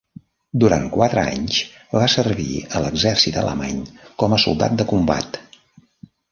Durant quatre anys, va servir a l'exèrcit alemany com a soldat de combat.